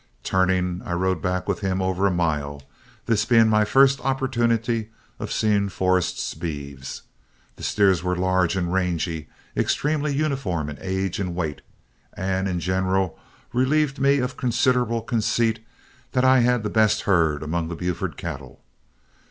Turning, I rode back with him over a mile, this being my first opportunity of seeing Forrest's beeves. The steers were large and rangy, extremely uniform in ages and weight, and in general relieved me of considerable conceit that I had the best herd among the Buford cattle.